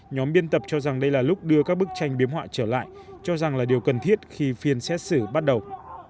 nhóm biên tập cho rằng đây là lúc đưa các bức tranh biếm họa trở lại cho rằng là điều cần thiết khi phiên xét xử bắt đầu